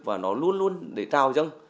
và nó luôn luôn để trao cho